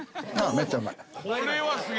めっちゃうまい」